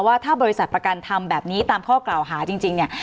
ว่าถ้าบริษัทประกันทำแบบนี้ตามข้อกล่าวหาจริงเนี่ย